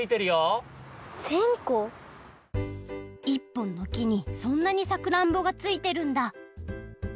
１ぽんのきにそんなにさくらんぼがついてるんだ